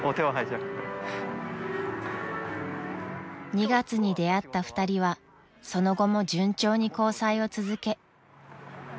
［２月に出会った２人はその後も順調に交際を続け］